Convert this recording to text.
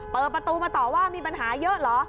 เปิดประตูมาต่อว่ามีปัญหาเยอะเหรอ